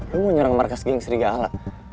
kamu mau nyerang markas geng serigala